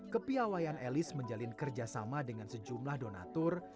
kepiawaian elis menjalin kerjasama dengan sejumlah donatur